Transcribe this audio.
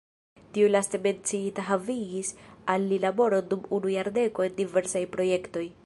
Tiu laste menciita havigis al li laboron dum unu jardeko en diversaj projektoj.